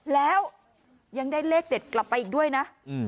แล้วยังได้เลขเด็ดกลับไปอีกด้วยนะ